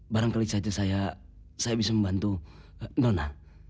barangkali saja saya bisa membantu nona